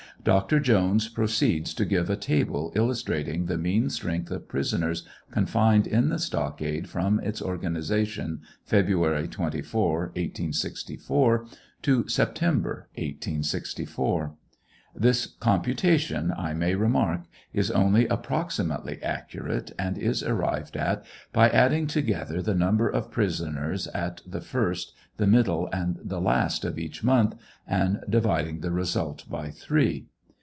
Dr. Jones proceeds to give a table illustrating the mean strength of the prisoners confined in the stockade from its organization, February 24, 1864, to September, 1864. This computation, 1 may remark, is only approximately accurate, and is arrived at by adding together the number of prisoners at the first, the middle, and the last of each month and dividing the result by three.